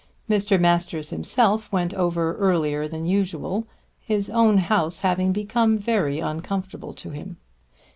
Mr. Masters himself went over earlier than usual, his own house having become very uncomfortable to him.